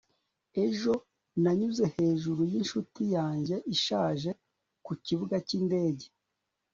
ejo nanyuze hejuru yinshuti yanjye ishaje kukibuga cyindege